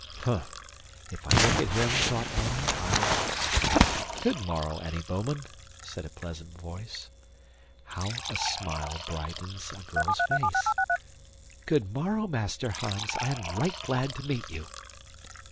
Humph! if I look at him, thought Annie, I'll "Good morrow, Annie Bouman," said a pleasant voice. How a smile brightens a girl's face! "Good morrow, Master Hans, I am right glad to meet you."